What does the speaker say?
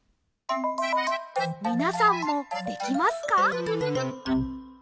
みなさんもできますか？